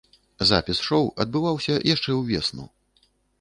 Запіс шоу адбываўся яшчэ ўвесну.